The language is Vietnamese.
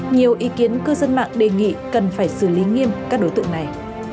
nhiều ý kiến cư dân mạng đề nghị cần phải xử lý nghiêm các đối tượng này